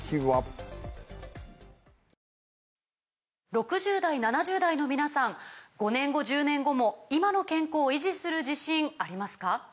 ６０代７０代の皆さん５年後１０年後も今の健康維持する自信ありますか？